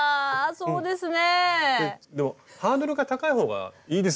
そうですね。